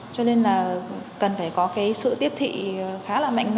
cho nên là cần phải có cái sự tiếp thị khá là mạnh mẽ